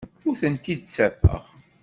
Ur tent-id-ttafeɣ.